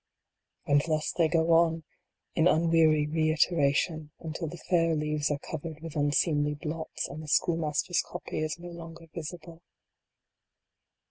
And thus they go on, in unweary reiteration, until the fair leaves are covered with unseemly blots, and the Schoolmaster s copy is no longer visible.